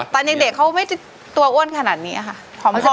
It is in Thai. ตอนเด็กเขาไม่ตัวอ้วนขนาดนี้ค่ะ